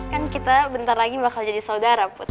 kan kita bentar lagi bakal jadi saudara putri